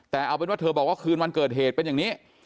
แต่เอาเป็นว่าเธอบอกว่าคืนวันเกิดเหตุเป็นอย่างนี้